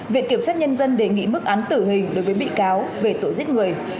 viện kiểm sát nhân dân đề nghị mức án tử hình đối với bị cáo về tội giết người